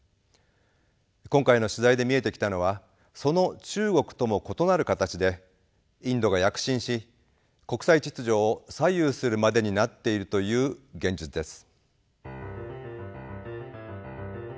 今回の取材で見えてきたのはその中国とも異なる形でインドが躍進し国際秩序を左右するまでになっているという現実です。